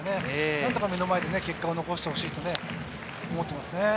何とか目の前で結果を残してほしいと思っていますね。